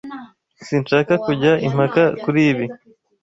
Sinshaka kujya impaka kuri ibi.